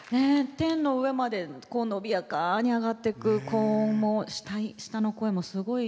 天の上まで伸びやかに上がっていく高音も下の声もすごい